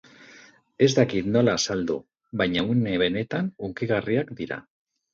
Ez dakit nola azaldu, baina une benetan hunkigarriak dira.